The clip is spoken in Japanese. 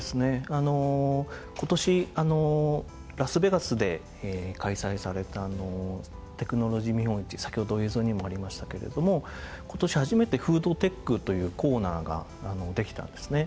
あの今年ラスベガスで開催されたテクノロジー見本市先ほど映像にもありましたけれども今年初めてフードテックというコーナーができたんですね。